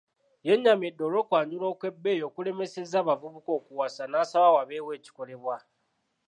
Yennyamidde olw'okwanjula okwebbeyi okulemesezza abavubuka okuwasa n'asaba wabeewo ekikolebwa.